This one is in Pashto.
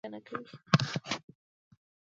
د درد دوايانې پۀ دې کښې هېڅ فائده نۀ کوي